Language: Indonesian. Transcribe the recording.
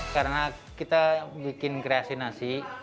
karena kita bikin kreasi nasi